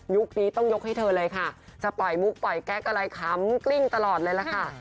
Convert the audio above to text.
นี้ต้องยกให้เธอเลยค่ะจะปล่อยมุกปล่อยแก๊กอะไรขำกลิ้งตลอดเลยล่ะค่ะ